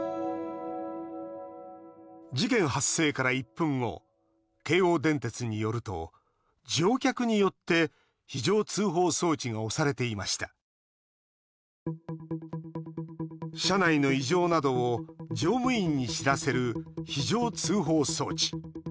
事件発生から１分後京王電鉄によると乗客によって非常通報装置が車内の異常などを乗務員に知らせる非常通報装置。